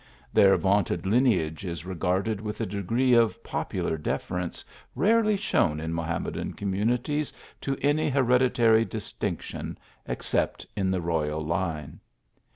Their vaunted lineage is regarded with a degree of popular deference rarely shown in Mohammedan communities to any hereditary dis tinction except in the royal line.